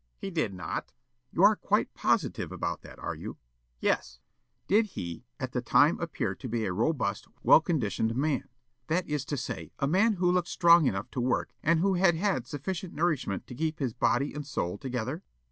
Yollop: "He did not." Counsel: "You are quite positive about that, are you?" Yollop: "Yes." Counsel: "Did he, at the time appear to be a robust, well conditioned man, that is to say, a man who looked strong enough to work and who had had sufficient nourishment to keep his body and soul together?"